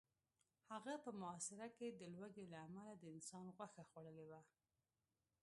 هغه په محاصره کې د لوږې له امله د انسان غوښه خوړلې وه